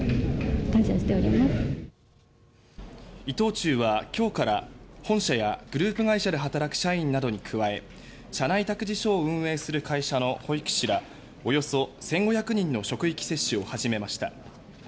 伊藤忠は今日から本社やグループ会社などで働く社員などに加え社内託児所を運営する会社の保育士らおよそ１５００人の職域接種を始めました。